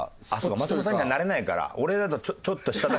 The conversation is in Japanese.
松本さんにはなれないから俺だとちょっと下だから。